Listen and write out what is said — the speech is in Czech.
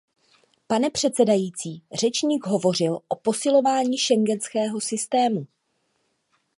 Pane předsedající, řečník hovořil o posilování schengenského systému.